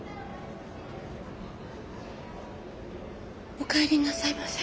おかえりなさいませ。